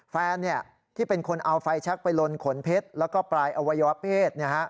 แฟนที่เป็นคนเอาไฟแชคไปลนขนเพชรแล้วก็ปลายอวัยวะเพศ